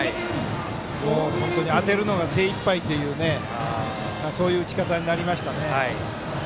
本当に当てるのが精いっぱいというそういう打ち方になりましたね。